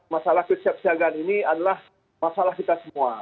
masalah kesiapsiagaan ini adalah masalah kita semua